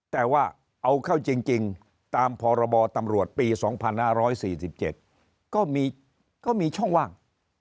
แต่ว่าเอาเข้าจริงตามพรบตำรวจปี๒๕๔๗ก็มีช่องว่าง